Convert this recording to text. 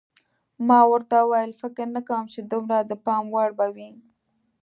ما ورته وویل: فکر نه کوم چې دومره د پام وړ به وي.